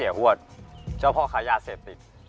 ที่เสียหวัดเจ้าพ่อขายญาติเสดติด